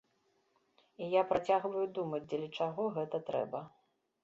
І я працягваю думаць, дзеля чаго гэта трэба.